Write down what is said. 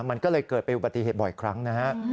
มันก็เลยเกิดเป็นปฏิเหตุบ่อยครั้งนะครับ